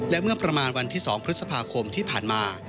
และเมื่อประมาณวันที่๒พฤษภาคมที่ผ่านมา